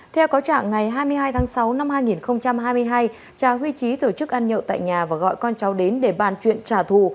theo có trạng ngày hai mươi hai tháng sáu năm hai nghìn hai mươi hai cha huy trí tổ chức ăn nhậu tại nhà và gọi con cháu đến để bàn chuyện trả thù